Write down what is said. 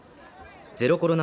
ゼロコロナ